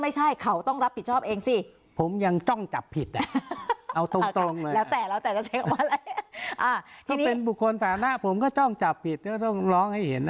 ไม่ใช่เขาต้องรับผิดชอบเองซี่ผมยังจ้องจับผิดเอาตรงราวแต่จะต้องร้องให้เห็น